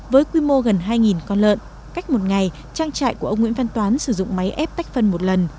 với quy mô gần hai con lợn cách một ngày trang trại của ông nguyễn văn toán sử dụng máy ép tách phân một lần